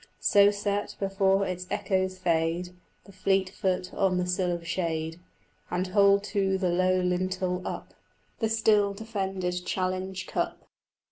So set, before its echoes fade, The fleet foot on the sill of shade, And hold to the low lintel up The still defended challenge cup.